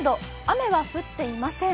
雨は降っていません。